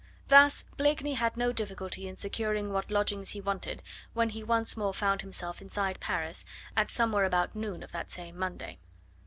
Thus Blakeney had no difficulty in securing what lodgings he wanted when he once more found himself inside Paris at somewhere about noon of that same Monday.